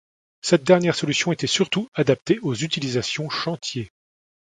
Cette dernière solution était surtout adaptée aux utilisations chantier.